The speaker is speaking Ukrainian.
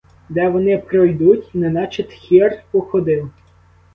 Де вони пройдуть — неначе тхір походив.